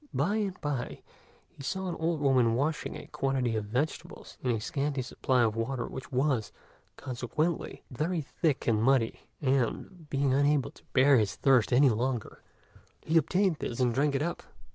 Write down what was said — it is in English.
By and by he saw an old woman washing a quantity of vegetables in a scanty supply of water which was, consequently, very thick and muddy; and, being unable to bear his thirst any longer, he obtained this and drank it up.